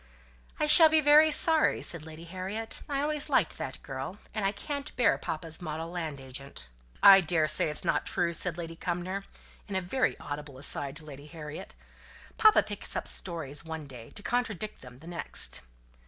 "I shall be very sorry," said Lady Harriet. "I always liked that girl; and I can't bear papa's model land agent." "I daresay it's not true," said Lady Cumnor, in a very audible aside to Lady Harriet. "Papa picks up stories one day to contradict them the next."